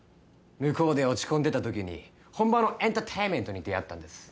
向こうで落ち込んでた時に本場のエンターテインメントに出会ったんです。